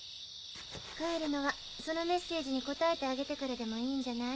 帰るのはそのメッセージに応えてあげてからでもいいんじゃない？